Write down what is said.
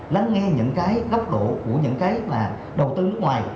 lắng nghe những cái góc độ của những cái mà đầu tư nước ngoài